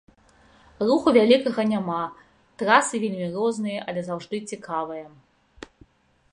Руху вялікага няма, трасы вельмі розныя, але заўжды цікавыя.